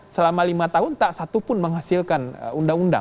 selama lima tahun tak satu pun menghasilkan undang undang